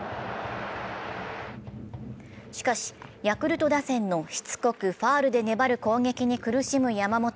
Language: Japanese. しかしヤクルト打線のしつこくファウルで粘る攻撃に苦しむ山本。